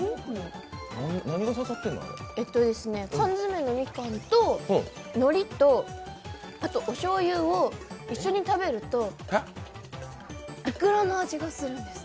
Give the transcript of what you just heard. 缶詰のみかんとのりとおしょうゆを一緒に食べると、いくらの味がするんです。